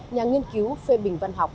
nhà nghiên cứu phê bình văn học